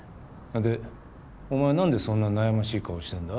でお前はなんでそんな悩ましい顔してんだ？